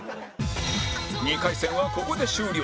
２回戦はここで終了